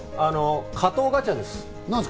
加藤ガチャです。